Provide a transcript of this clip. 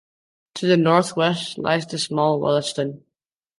To the northwest lies the small Wollaston.